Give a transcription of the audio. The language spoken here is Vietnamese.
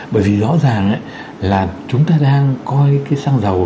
bởi vì rõ ràng là chúng ta đang coi cái xăng dầu